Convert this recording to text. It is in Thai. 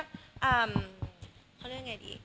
เขาเรียกยังไงดี